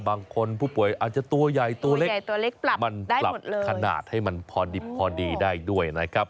บางคนผู้ป่วยอาจจะตัวใหญ่ตัวเล็กปรับขนาดให้มันพอดีได้ด้วยนะครับ